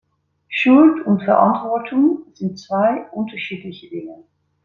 Schuld und Verantwortung sind zwei unterschiedliche Dinge.